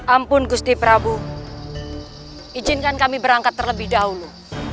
ampun gusti prabu izinkan kami berangkat terlebih dahulu